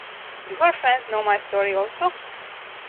Do her friends know my story also?